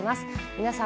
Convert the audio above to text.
皆様